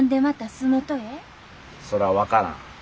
そら分からん。